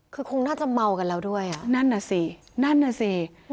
คือคงน่าจะเมากันแล้วด้วยอ่ะนั่นน่ะสินั่นน่ะสิ